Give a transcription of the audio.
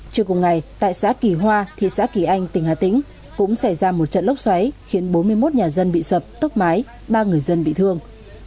trước cùng ngày tại xã kỳ hoa thị xã kỳ anh tỉnh hà tĩnh cũng xảy ra một trận lốc xoáy khiến bốn mươi một nhà dân bị sập tốc mái ba người dân bị thương